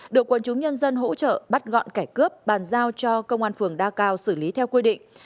được quân chúng nhân dân hỗ trợ bắt gọn kẻ cướp bàn giao cho công an phường đa cao xử lý theo quy định